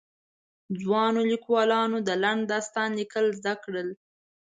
ځوانو ليکوالو د لنډ داستان ليکل زده کړل.